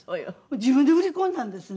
自分で売り込んだんですね。